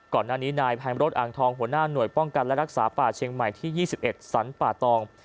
ก่อนหน้านี้นายพายมรถอ่างทองหัวหน้าหน่วยป้องกันและรักษาป่าเชียงใหม่ที่๒๑สรรป่าตอง